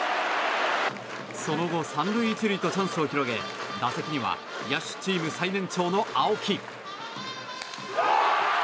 その後３塁１塁とチャンスを広げ打席には野手チーム最年長の青木。